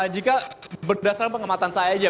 jika berdasarkan pengamatan saya aja